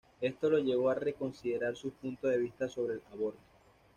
Esto lo llevó a reconsiderar sus puntos de vista sobre el aborto.